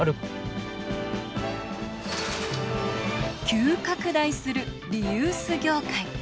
急拡大するリユース業界。